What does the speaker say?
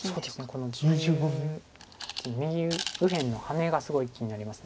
この右辺のハネがすごい気になります。